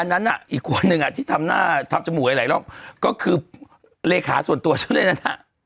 อันนั้นน่ะอีกคนหนึ่งอ่ะที่ทำหน้าทำจมูกหลายรอบก็คือเลขาส่วนตัวฉันเลยนะฮะ